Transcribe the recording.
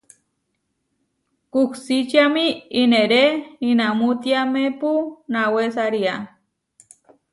Kuhsíčiami ineré inamútiámepu nawésaria.